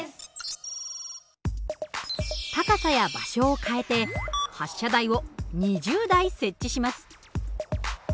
高さや場所を変えて発射台を２０台設置します。